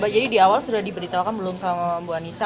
jadi di awal sudah diberitahukan belum sama bu anissa